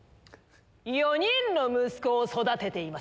４人の息子を育てています。